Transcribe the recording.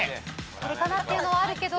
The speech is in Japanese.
これかなっていうのはあるけど。